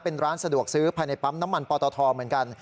เป็นร้านสะดวกซื้อภายในปั๊มน้ำมันปอตทเหมือนกัน